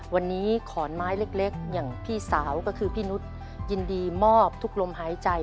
วันนี้ขอนไม้เล็กอย่างพี่สาวก็คือพี่นุษย์ยินดีมอบทุกลมหายใจ